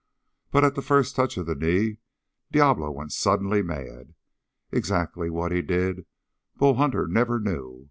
But at the first touch of the knee Diablo went suddenly mad. Exactly what he did Bull Hunter never knew.